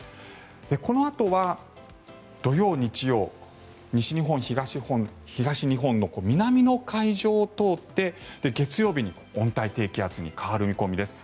このあとは土曜、日曜西日本、東日本の南の海上を通って、月曜日に温帯低気圧に変わる見込みです。